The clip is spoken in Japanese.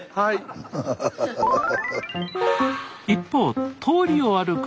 一方通りを歩く